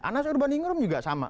anas urban inggrum juga sama